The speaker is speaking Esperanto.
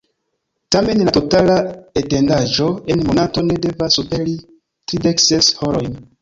Tamen la totala etendaĵo en monato ne devas superi tridek ses horojn.